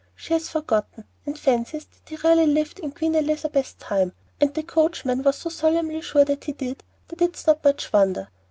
She has forgotten, and fancies that he really lived in Queen Elizabeth's time; and the coachman was so solemnly sure that he did that it's not much wonder.